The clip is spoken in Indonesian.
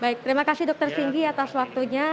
baik terima kasih dokter singgi atas waktunya